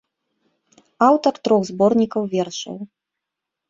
Аўтар трох зборнікаў вершаў.